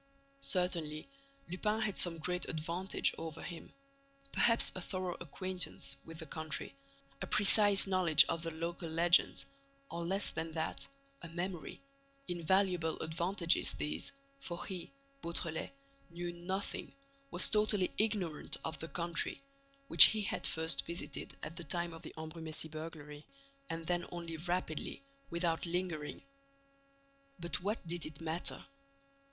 Certainly, Lupin had some great advantage over him, perhaps a thorough acquaintance with the country, a precise knowledge of the local legends, or less than that, a memory: invaluable advantages these, for he, Beautrelet, knew nothing, was totally ignorant of the country, which he had first visited at the time of the Ambrumésy burglary and then only rapidly, without lingering. But what did it matter?